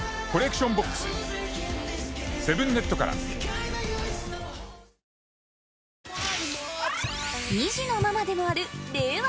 サントリー２児のママでもある令和